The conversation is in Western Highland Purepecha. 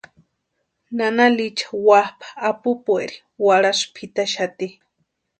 Nana Licha wapʼa apupueri warhasï pʼitaxati.